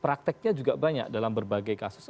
prakteknya juga banyak dalam berbagai kasus